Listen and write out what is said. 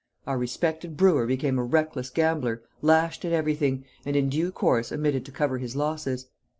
Our respected brewer became a reckless gambler, lashed at everything, and in due course omitted to cover his losses.